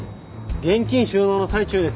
現金収納の最中です。